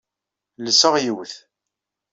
Llseɣ yiwet.